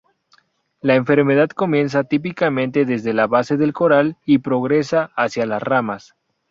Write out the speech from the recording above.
La enfermedad comienza típicamente desde la base del coral y progresa hacia las ramas.